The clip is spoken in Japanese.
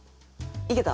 いけた？